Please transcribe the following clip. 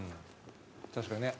確かにね。